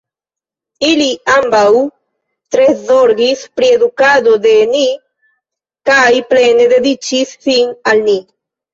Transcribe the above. Ili ambaŭ tre zorgis pri edukado de ni kaj plene dediĉis sin al ni.